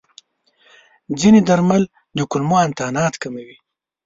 ځینې درمل د کولمو انتانات کموي.